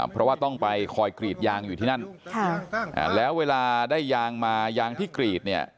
เพราะว่าต้องไปคอยกรีดยางอยู่ที่นั่นแล้วเวลาได้ยางมายางที่กรีดเนี่ย